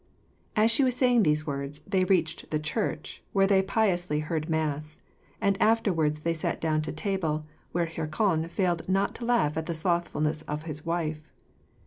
As she was saying these words, they reached the church, where they piously heard mass. And afterwards they sat down to table, where Hircan failed not to laugh at the slothfulness of his wife.